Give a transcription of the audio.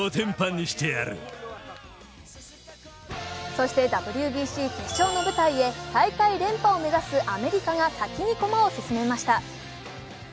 そしてＷＢＣ決勝の舞台へ大会連覇を目指すアメリカが先に駒を進めました。